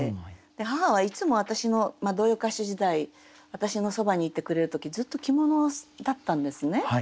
母はいつも私の童謡歌手時代私のそばにいてくれる時ずっと着物だったんですね。